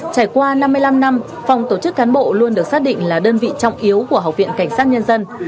trải qua năm mươi năm năm phòng tổ chức cán bộ luôn được xác định là đơn vị trọng yếu của học viện cảnh sát nhân dân